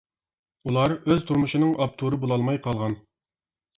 ئۇلار ئۆز تۇرمۇشنىڭ ئاپتورى بولالماي قالغان.